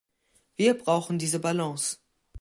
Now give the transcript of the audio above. Wir brauchen diese Balance.